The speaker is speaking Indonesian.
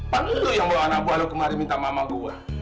pan lo yang bawa anak buah lo kemari minta mama gue